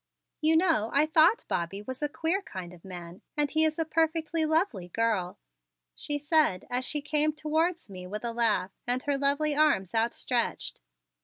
"You know, I thought Bobby was a queer kind of man and he is a perfectly lovely girl," she said as she came towards me with a laugh and her lovely arms outstretched.